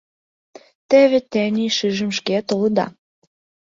— Теве тений шыжым шке толыда.